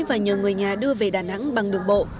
và nhờ người nhà đưa về đà nẵng bằng đường bộ